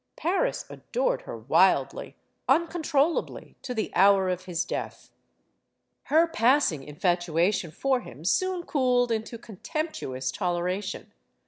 Paris adored her wildly, uncontrollably, to the hour of his death. Her passing infatuation for him soon cooled into con temptuous toleration.